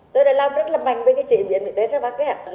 tôi đã làm rất là mạnh với cái chế biến của tết ra bắc đấy ạ